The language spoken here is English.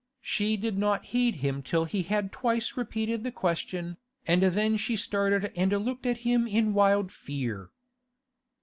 She did not heed him till he had twice repeated the question, and then she started and looked at him in wild fear.